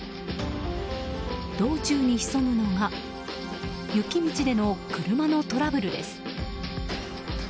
道中に潜むのが雪道での車のトラブルです。